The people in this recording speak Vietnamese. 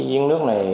nếu giếng nước này